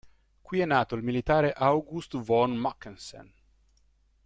Qui è nato il militare August von Mackensen.